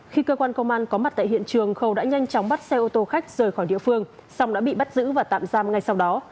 khi cơ quan công an có mặt tại hiện trường khẩu đã nhanh chóng bắt xe ô tô khách rời khỏi địa phương xong đã bị bắt giữ và tạm giam ngay sau đó